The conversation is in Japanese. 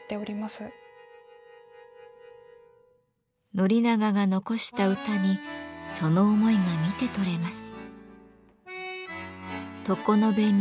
宣長が残した歌にその思いが見て取れます。